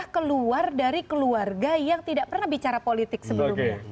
keluar dari keluarga yang tidak pernah bicara politik sebelumnya